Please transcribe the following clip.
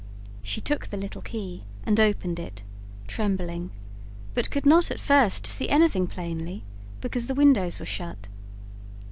She took the little key and opened it, trembling, but could not at first see anything plainly because the windows were shut.